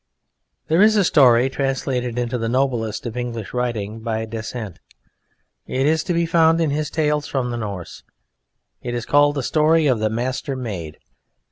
There is a story translated into the noblest of English writing by Dasent. It is to be found in his "Tales from the Norse." It is called the Story of the Master Maid.